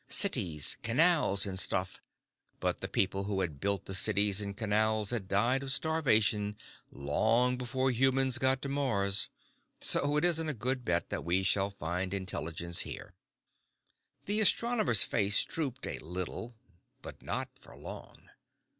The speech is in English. Cities, canals, and stuff. But the people who had built the cities and canals had died of starvation long before humans got to Mars. So it isn't a good bet that we shall find intelligence here." The astronomer's face drooped a little. But not for long.